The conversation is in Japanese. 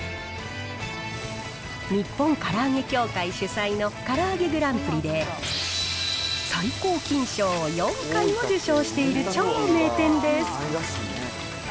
日本唐揚協会主催のからあげグランプリで、最高金賞を４回も受賞している超名店です。